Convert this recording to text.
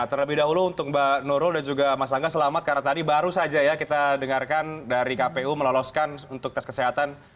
terlebih dahulu untuk mbak nurul dan juga mas angga selamat karena tadi baru saja ya kita dengarkan dari kpu meloloskan untuk tes kesehatan